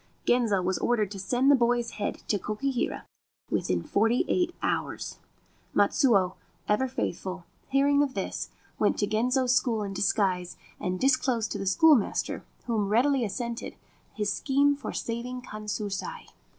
Genzo was ordered to send the boy's head to Tokihira within forty eight hours. Matsuo, ever faithful, hearing of this, went to Genzo's 68 A Faithful Servant school in disguise and disclosed to the schoolmaster, who readily assented, his scheme for saving Kanshusai.